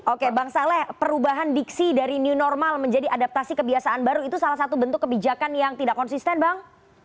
oke bang saleh perubahan diksi dari new normal menjadi adaptasi kebiasaan baru itu salah satu bentuk kebijakan yang tidak konsisten bang